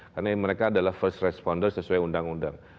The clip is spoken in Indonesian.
karena mereka adalah first responder sesuai undang undang